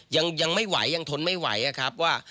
ยังไม่ไหวยังทนไม่ไหวครับว่า